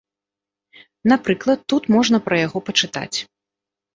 Напрыклад, тут можна пра яго пачытаць.